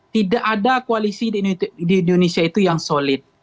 tidak ada koalisi di indonesia itu yang solid